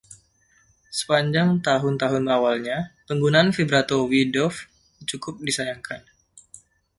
Sepanjang tahun-tahun awalnya, penggunaan vibrato Wiedoeft cukup disayangkan.